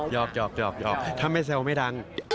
อกถ้าไม่แซวไม่ดัง